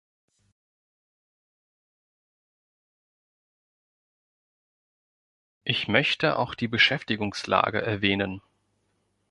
Ich möchte auch die Beschäftigungslage erwähnen.